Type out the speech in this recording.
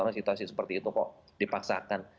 karena situasi seperti itu kok dipaksakan